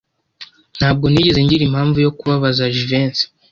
Ntabwo nigeze ngira impamvu yo kubabaza Jivency.